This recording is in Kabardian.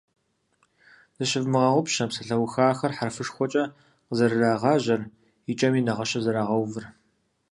Зыщывмыгъэгъупщэ псалъэухахэр хьэрфышхуэкӀэ къызэрырагъажьэр, и кӀэми нагъыщэ зэрагъэувыр.